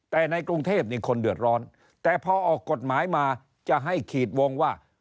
แต่ในกรุงเทพนี่คนเดือดร้อนแต่พอออกกฎหมายมาจะให้ขีดวงว่า